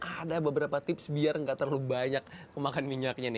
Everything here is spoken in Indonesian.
ada beberapa tips biar tidak terlalu banyak memakan minyaknya